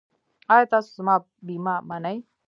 ایا تاسو زما بیمه منئ؟